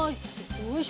よいしょ。